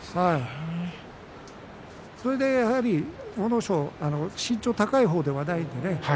それで阿武咲は身長が高い方ではないのでね